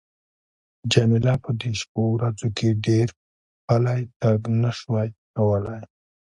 جميله په دې شپو ورځو کې ډېر پلی تګ نه شوای کولای.